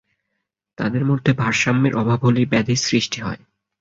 তাদের মধ্যে ভারসাম্যের অভাব হলেই ব্যাধির সৃষ্টি হয়।